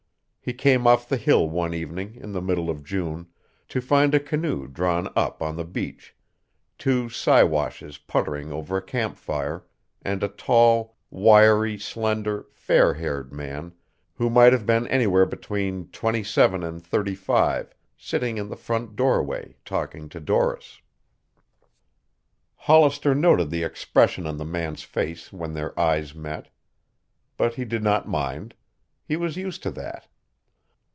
He came off the hill one evening in the middle of June to find a canoe drawn up on the beach, two Siwashes puttering over a camp fire, and a tall, wirily slender, fair haired man who might have been anywhere between twenty seven and thirty five sitting in the front doorway, talking to Doris. Hollister noted the expression on the man's face when their eyes met. But he did not mind. He was used to that.